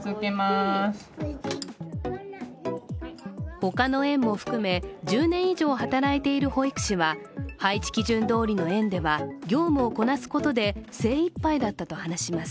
他の園も含め１０年以上働いている保育士は配置基準どおりの園では業務をこなすことで精いっぱいだったと話します。